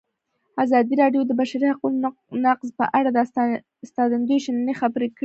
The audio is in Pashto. ازادي راډیو د د بشري حقونو نقض په اړه د استادانو شننې خپرې کړي.